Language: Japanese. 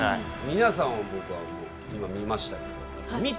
皆さんを僕はもう今見ましたけど。